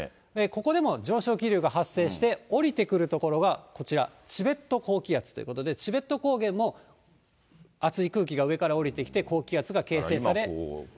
ここでも上昇気流が発生して、下りてくる所がこちら、チベット高気圧ということで、チベット高原も熱い空気が上から下りてきて、高気圧が形成され。